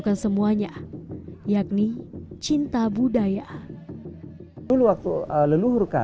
pengajaran terbaru bagi alok tidak terlaku